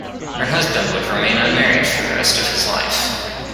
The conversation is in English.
Her husband would remain unmarried for the rest of his life.